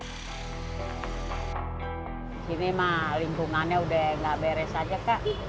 di sini mah lingkungannya udah gak beres aja kak